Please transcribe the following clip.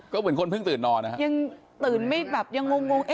ก็เหมือนคนเพิ่งตื่นนอนนะฮะยังตื่นไม่แบบยังงงง